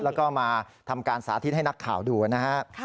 แล้วก็มาทำการสาธิตให้นักข่าวดูนะครับ